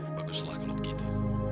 baguslah kalau begitu